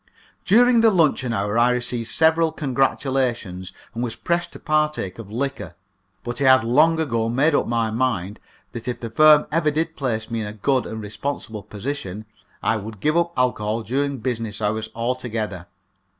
During the luncheon hour I received several congratulations, and was pressed to partake of liquor. But I had long ago made up my mind that if the firm ever did place me in a good and responsible position, I would give up alcohol during business hours altogether.